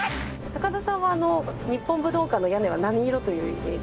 高田さんは日本武道館の屋根は何色というイメージが。